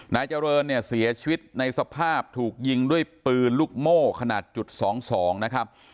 นายเจริญเนี่ยเสียชีวิตในสภาพถูกยิงด้วยปืนลูกโม่ขนาดจุด๒๒นะครับ